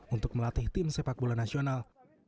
untuk melatih tim sepak bola nasional